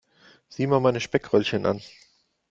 Sieh mal meine Speckröllchen an.